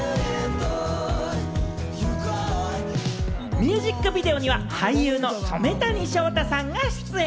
ミュージックビデオには俳優の染谷将太さんが出演。